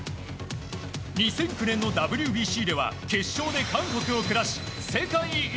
２００９年のＷＢＣでは決勝で韓国を下し世界一。